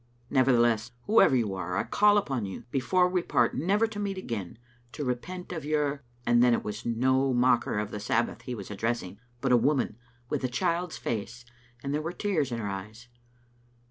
Nevertheless, whoever you are, I call upon you, before we part never to meet again, to repent of your " And then it was no mocker of the Sabbath he was addressing, but a woman with a child's face, and there were tears in her eyes.